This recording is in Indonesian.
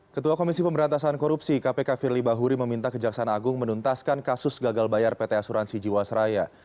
ketua komisi pemberantasan korupsi kpk firly bahuri meminta kejaksaan agung menuntaskan kasus gagal bayar pt asuransi jiwasraya